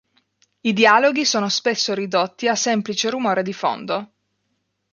I dialoghi sono spesso ridotti a semplice rumore di fondo.